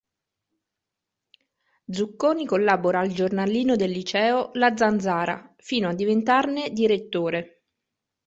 Zucconi collabora al giornalino del liceo "La Zanzara", fino a diventarne direttore.